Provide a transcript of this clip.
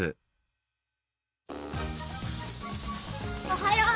おはよう。